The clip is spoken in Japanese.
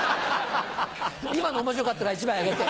今の面白かったから１枚あげて。